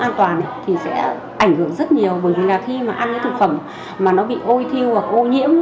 an toàn thì sẽ ảnh hưởng rất nhiều bởi vì là khi mà ăn cái thực phẩm mà nó bị ôi thiêu hoặc ô nhiễm